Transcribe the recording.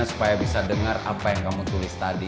supaya bisa dengar apa yang kamu tulis tadi